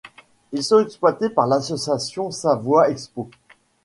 Ils sont exploités par l'association Savoiexpo.